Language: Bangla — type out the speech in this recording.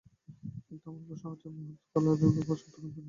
কিন্তু আমার প্রশ্ন হচ্ছে, আপনি হঠাৎ করে কালার-ব্লাইন্ডের প্রশ্ন তুললেন কেন?